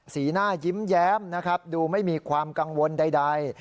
สีหน้ายิ้มแย้มนะครับดูไม่มีความกังวลใด